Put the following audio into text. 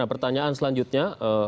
nah pertanyaan selanjutnya